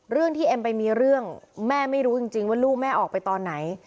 เรื่องที่เอ็มไปมีเรื่องแม่ไม่รู้จริงว่าลูกแม่ออกไปตอนไหน